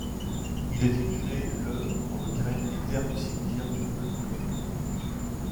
Il est inhumé le dans le carré militaire du cimetière de Boulogne-Billancourt.